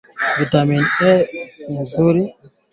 Nzi wanaosababisha malale